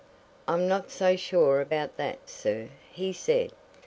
"I'm not so sure about that, sir," he said.